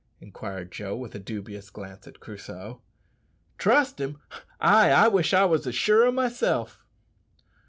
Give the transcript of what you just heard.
inquired Joe, with a dubious glance at Crusoe. "Trust him! Ay, I wish I was as sure o' myself."